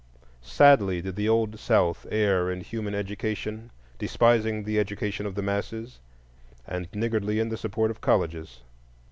Sadly did the Old South err in human education, despising the education of the masses, and niggardly in the support of colleges.